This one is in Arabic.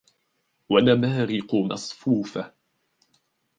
وَنَمَارِقُ مَصْفُوفَةٌ